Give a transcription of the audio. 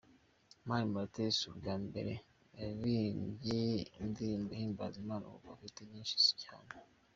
Mani Martin si ubwa mbere aririmbye indirimbo ihimbaza Imana kuko afite nyinshi cyane.